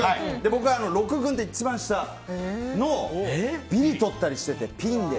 僕は６軍で一番下のビリをとったりしててピンで。